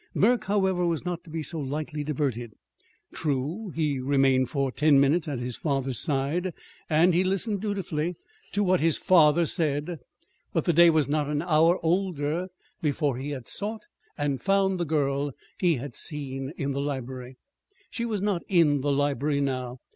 Burke, however, was not to be so lightly diverted. True, he remained for ten minutes at his father's side, and he listened dutifully to what his father said; but the day was not an hour older before he had sought and found the girl he had seen in the library. She was not in the library now.